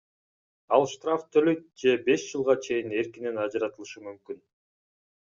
Ал штраф төлөйт же беш жылга чейин эркинен ажыратылышы мүмкүн.